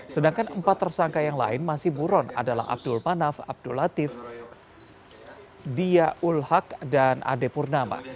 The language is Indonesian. sedangkan empat tersangka yang lain masih buron adalah abdul manaf abdul latif dia ulhak dan ade purnama